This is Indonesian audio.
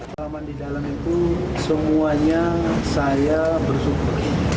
halaman di dalam itu semuanya saya bersyukur